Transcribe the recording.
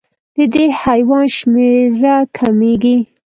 د دې حیوان شمېره کمېږي.